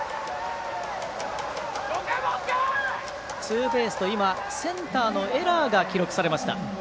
ツーベースと、センターのエラーが記録されました。